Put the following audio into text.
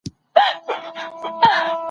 یا بس گټه به راوړې په شان د وروره